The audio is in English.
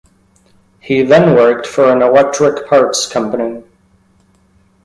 He then worked for an electric parts company.